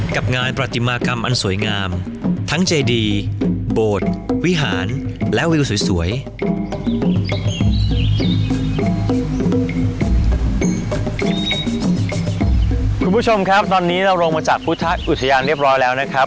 คุณผู้ชมครับตอนนี้เราลงมาจากพุทธอุทยานเรียบร้อยแล้วนะครับ